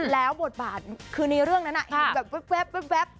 แล้วบทบาทคือในเรื่องนั้นนะแบบ